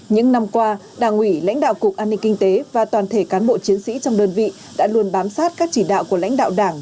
những năm qua đảng ủy lãnh đạo cục an ninh kinh tế và toàn thể cán bộ chiến sĩ trong đơn vị đã luôn bám sát các chỉ đạo của lãnh đạo đảng